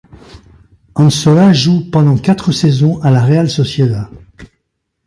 Ansola joue pendant quatre saisons à la Real Sociedad.